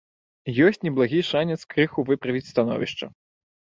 Ёсць неблагі шанец крыху выправіць становішча.